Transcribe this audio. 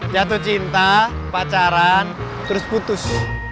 jatuh cinta pacaran terus putus